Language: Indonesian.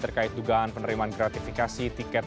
terkait dugaan penerimaan gratifikasi tiket